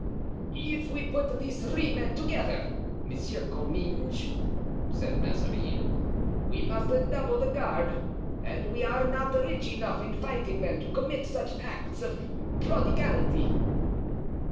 "If we put these three men together, Monsieur Comminges," said Mazarin, "we must double the guard, and we are not rich enough in fighting men to commit such acts of prodigality."